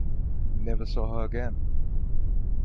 He never saw her again.